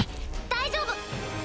大丈夫。